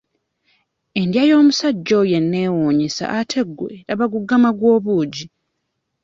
Endya y'omusajja oyo eneewunyisizza ate gwe laba guggama gw'obuugi.